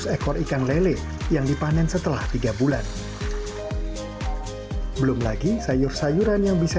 dua ratus ekor ikan lele yang dipanen setelah tiga bulan belum lagi sayur sayuran yang bisa